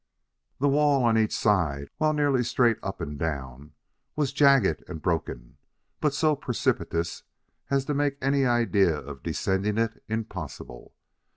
The wall on each side, while nearly straight up and down, was jagged and broken, but so precipitous as to make any idea of descending it impossible.